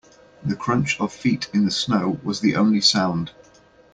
The crunch of feet in the snow was the only sound.